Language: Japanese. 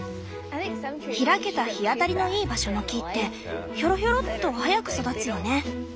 開けた日当たりのいい場所の木ってひょろひょろっと早く育つよね。